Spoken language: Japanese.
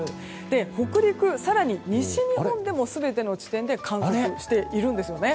北陸、更に西日本でも全ての地点で観測しているんですね。